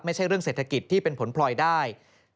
ไม่ใช่เรื่องเศรษฐกิจที่เป็นผลพลอยได้